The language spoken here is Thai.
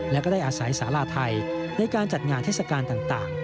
และก็ได้อาศัยสาราไทยในการจัดงานเทศกาลต่าง